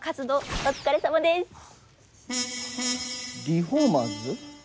リフォーマーズ？